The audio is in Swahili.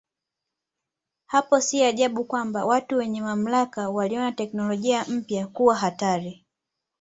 Hapo si ajabu kwamba watu wenye mamlaka waliona teknolojia mpya kuwa hatari.